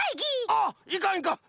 あっいかんいかん！